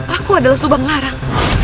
aku adalah subang larang